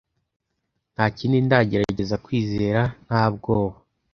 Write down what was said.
ntakindi ndagerageza kwizera nta bwoba